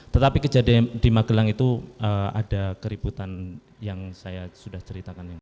tetapi kejadian di magelang itu ada keributan yang saya sudah ceritakan